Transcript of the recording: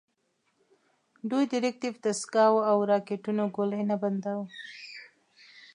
دوی د ریکتیف دستګاوو او راکېټونو ګولۍ نه بنداوه.